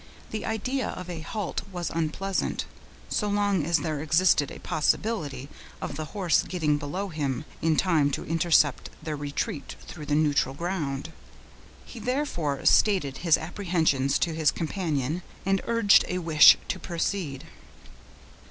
The idea of a halt was unpleasant, so long as there existed a possibility of the horse getting below him in time to intercept their retreat through the neutral ground. He therefore stated his apprehensions to his companion, and urged a wish to proceed.